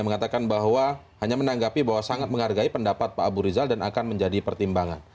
mengatakan bahwa hanya menanggapi bahwa sangat menghargai pendapat pak abu rizal dan akan menjadi pertimbangan